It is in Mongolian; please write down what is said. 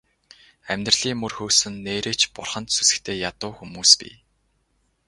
Амьдралын мөр хөөсөн нээрээ ч бурханд сүсэгтэй ядуу хүмүүс бий.